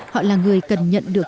họ là người cần nhận được